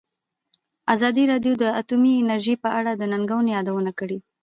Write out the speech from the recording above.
ازادي راډیو د اټومي انرژي په اړه د ننګونو یادونه کړې.